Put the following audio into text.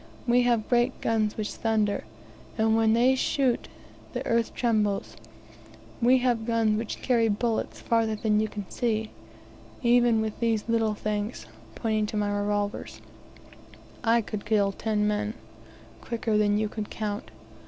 We have great guns which thunder, and when they shoot the earth trembles; we have guns which carry bullets further than you can see: even with these little things" (pointing to my revolvers) "I could kill ten men quicker than you could count.